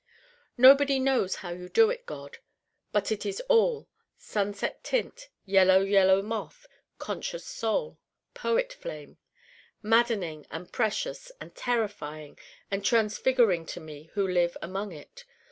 Nobody knows how you do it, God. But it is all Sunset Tint, Yellow Yellow Moth, Conscious Soul, Poet Flame maddening and precious and terrifying and transfiguring to me who live among it.